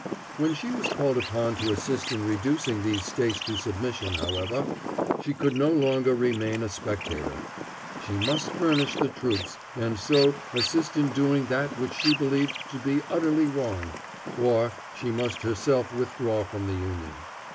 When she was called upon to assist in reducing these States to submission, however, she could no longer remain a spectator. She must furnish the troops, and so assist in doing that which she believed to be utterly wrong, or she must herself withdraw from the Union.